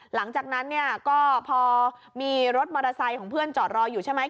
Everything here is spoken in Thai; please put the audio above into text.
หลังจากนั้นเนี่ยก็พอมีรถมอเตอร์ไซค์ของเพื่อนจอดรออยู่ใช่ไหม